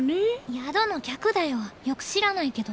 宿の客だよよく知らないけど。